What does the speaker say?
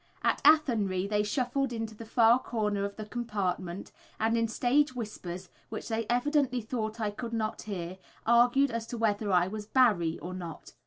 At Athenry they shuffled into the far corner of the compartment, and in stage whispers, which they evidently thought I could not hear, argued as to whether I was "Barry" or not.